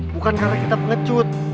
bukan karena kita pengecut